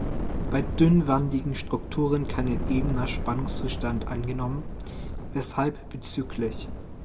Bei dünnwandigen Strukturen kann ein ebener Spannungszustand angenommen, weshalb bzgl.